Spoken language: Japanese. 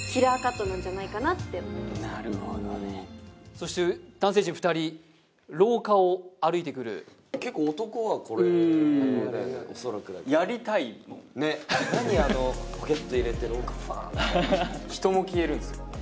そして男性陣二人廊下を歩いてくる結構男はこれだよね恐らくだけどやりたいもんねっ何あのポケット入れて廊下ファって人も消えるんすよ